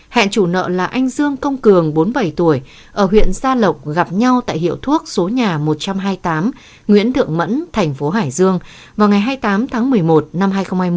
hẹn chủ nợ là anh dương công cường bốn mươi bảy tuổi ở huyện gia lộc gặp nhau tại hiệu thuốc số nhà một trăm hai mươi tám nguyễn thượng mẫn thành phố hải dương vào ngày hai mươi tám tháng một mươi một năm hai nghìn hai mươi